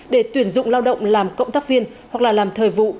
để tuyển dụng lao động làm cộng tác viên hoặc là làm thời vụ